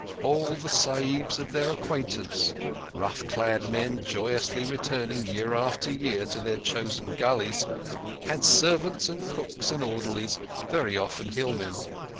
All the Sahibs of their acquaintance—rough clad men joyously returning year after year to their chosen gullies—had servants and cooks and orderlies, very often hillmen.